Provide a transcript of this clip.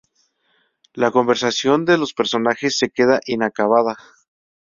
La conversación de los personajes se queda inacabada.